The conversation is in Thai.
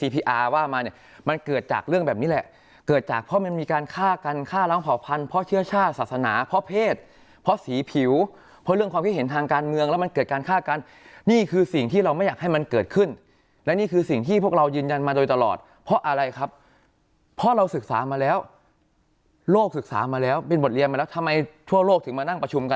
เพราะภาพพันธ์เพราะเชื้อชาติศาสนาเพราะเพศเพราะสีผิวเพราะเรื่องความที่เห็นทางการเมืองแล้วมันเกิดการฆ่ากันนี่คือสิ่งที่เราไม่อยากให้มันเกิดขึ้นและนี่คือสิ่งที่พวกเรายืนยันมาโดยตลอดเพราะอะไรครับเพราะเราศึกษามาแล้วโลกศึกษามาแล้วเป็นบทเรียนมาแล้วทำไมทั่วโลกถึงมานั่งประชุมก